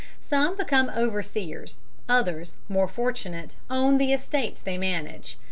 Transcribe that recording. Some become overseers, others, more fortunate, own the estates they manage.